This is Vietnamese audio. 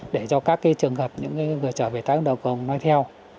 để cho các trường hợp người trở về tái công đồng nói theo